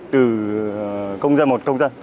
từ công dân một công dân